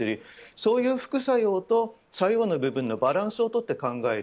そういう副作用と作用の部分のバランスをとって考える。